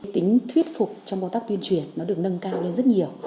tính thuyết phục trong công tác tuyên truyền nó được nâng cao lên rất nhiều